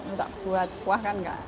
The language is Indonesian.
untuk buat kuah kan enggak